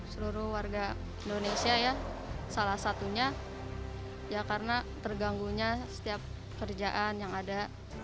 seluruh warga indonesia salah satunya karena terganggu setiap pekerjaan yang ada